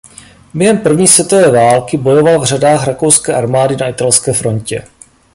Během první světové války bojoval v řadách rakouské armády na Italské frontě.